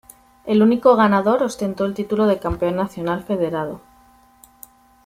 El único ganador ostentó el título de "Campeón Nacional Federado".